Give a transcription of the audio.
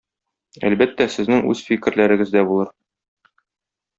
Әлбәттә, сезнең үз фикерләрегез дә булыр.